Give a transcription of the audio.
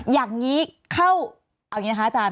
อย่างนี้เข้าเอาอย่างนี้นะคะอาจารย์